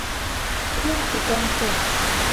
เครื่องสุกำศพ